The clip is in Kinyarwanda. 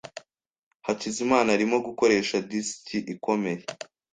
Hakizimana arimo gukoresha disiki ikomeye.